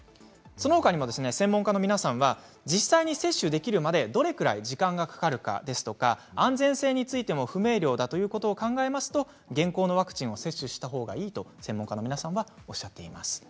そのほかにも専門家の皆さんは実際に接種できるまでどれくらい時間がかかるか安全性についても不明瞭だということを考えますと、現行のワクチンを接種したほうがいいとおっしゃっています。